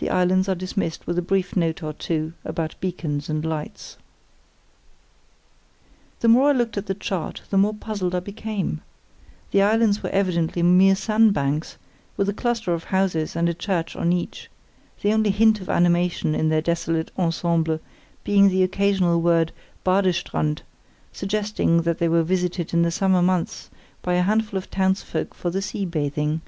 The islands are dismissed with a brief note or two about beacons and lights. The more I looked at the chart the more puzzled I became. The islands were evidently mere sandbanks, with a cluster of houses and a church on each, the only hint of animation in their desolate ensemble being the occasional word "Bade strand", suggesting that they were visited in the summer months by a handful of townsfolk for the sea bathing.